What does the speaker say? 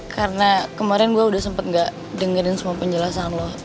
karena kemarin gue udah sempet gak dengerin semua penjelasan lo